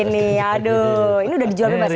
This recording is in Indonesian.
ini aduh ini udah dijual bebas ya